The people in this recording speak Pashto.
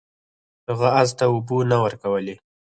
هغه اس ته اوبه نه ورکولې.